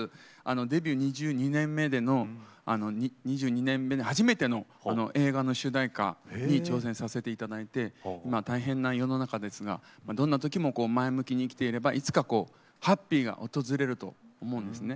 デビュー２２年目で初めての映画の主題歌に挑戦させていただいて今大変な世の中ですがどんなときも前向きに生きていればいつかハッピーが訪れると思うんですね。